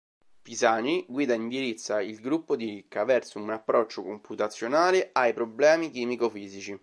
Pisani guida indirizza il gruppo di Ricca verso un approccio computazionale ai problemi chimico-fisici.